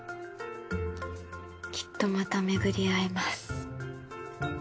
きっとまた巡り合えます。